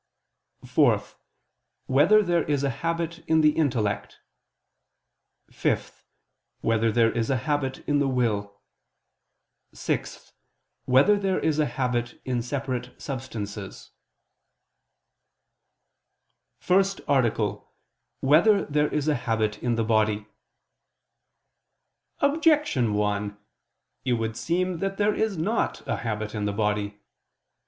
(4) Whether there is a habit in the intellect? (5) Whether there is a habit in the will? (6) Whether there is a habit in separate substances? ________________________ FIRST ARTICLE [I II, Q. 50, Art. 1] Whether There Is a Habit in the Body? Objection 1: It would seem that there is not a habit in the body.